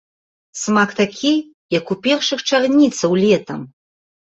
Смак такі, як у першых чарніцаў летам.